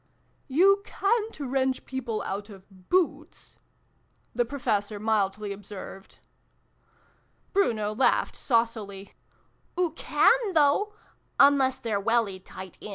"You ca'n't wrench people out of boots" the Professor mildly observed. Bruno laughed saucily. " Oo can, though ! Unless they're welly tight in."